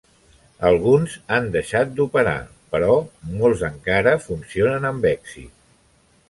Alguns han deixat d'operar, però molts encara funcionen amb èxit.